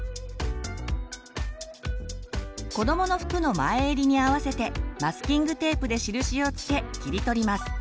こどもの服の前襟に合わせてマスキングテープで印を付け切り取ります。